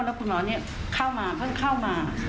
แล้วคุณหมอเข้ามาเพิ่งเข้ามา